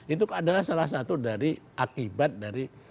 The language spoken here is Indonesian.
itu adalah salah satu dari akibat dari